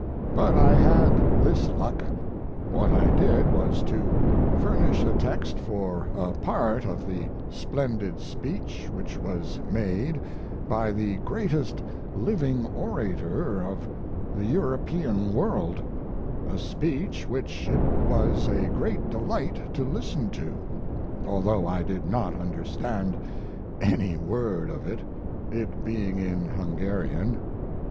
But I had this luck. What I did was to furnish a text for a part of the splendid speech which was made by the greatest living orator of the European world a speech which it was a great delight to listen to, although I did not understand any word of it, it being in Hungarian.